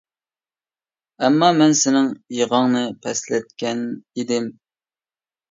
ئەمما مەن سېنىڭ يىغاڭنى پەسلەتكەن ئىدىم.